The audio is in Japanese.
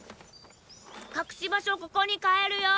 隠し場所ここに変えるよ。